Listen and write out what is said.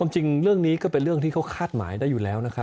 จริงเรื่องนี้ก็เป็นเรื่องที่เขาคาดหมายได้อยู่แล้วนะครับ